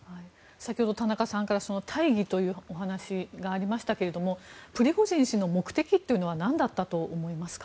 先ほど、田中さんから大義というお話がありましたがプリゴジン氏の目的というのはなんだったと思いますか。